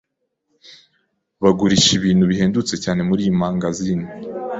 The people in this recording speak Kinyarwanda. Bagurisha ibintu bihendutse cyane muriyi mangazini.